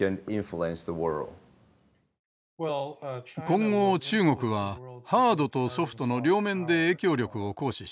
今後中国はハードとソフトの両面で影響力を行使します。